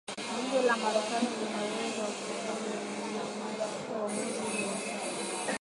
Bunge la Marekani lina uwezo wa kubadili uwamuzi huo